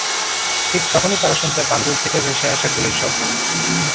ঠিক তখনই তারা শুনতে পান দূর থেকে ভেসে আসা গুলির শব্দ।